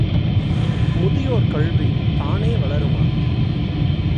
முதியோர் கல்வி, தானே வளருமா?